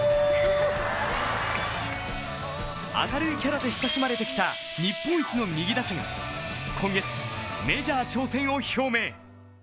明るいキャラで親しまれてきた、日本一の右打者が今月、メジャー挑戦を表明。